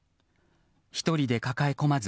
１人で抱え込まず